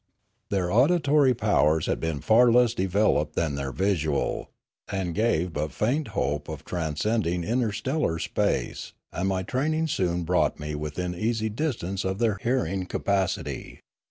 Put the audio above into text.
Their auditory powers had been far less developed than their visual, and gave but faint hope of transcend ing interstellar space, and my training soon brought me within easy distance of their hearing capacity.